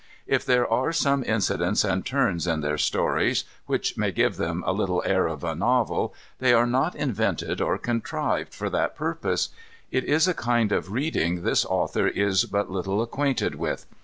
If there are some incidents and turns in their stories, which may give them a little the air of a novel, they are not invented or contrived for that purpose. It is a kind of reading this author is but little acquainted with.